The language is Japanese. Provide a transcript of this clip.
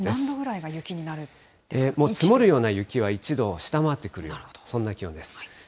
何度ぐらいが雪になるんです積もるような雪は１度を下回ってくるような、そんな気温です。